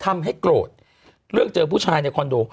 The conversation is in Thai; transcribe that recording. ทำให้โกรธเรื่องเจอผู้ชายในคอนโด